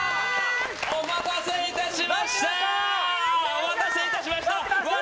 お待たせいたしました！笑